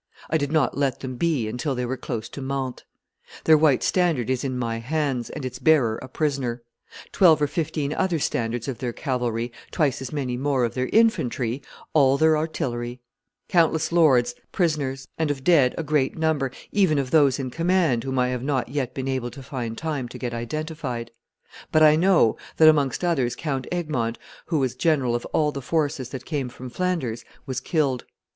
I did not let them be until they were close to Mantes. Their white standard is in my hands, and its bearer a prisoner; twelve or fifteen other standards of their cavalry, twice as many more of their infantry, all their artillery; countless lords prisoners, and of dead a great number, even of those in command, whom I have not yet been able to find time to get identified. But I know that amongst others Count Egmont, who was general of all the forces that came from Flanders, was killed.